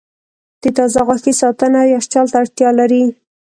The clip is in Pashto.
د تازه غوښې ساتنه یخچال ته اړتیا لري.